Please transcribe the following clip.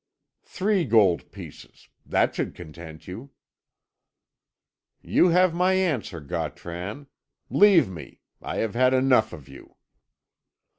Three gold pieces! That should content you." "You have my answer, Gautran. Leave me, I have had enough of you."